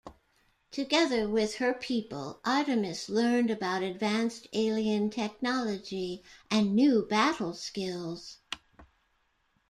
Together with her people, Artemis learned about advanced alien technology and new battle skills.